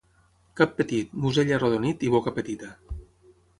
Cap petit, musell arrodonit i boca petita.